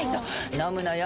飲むのよ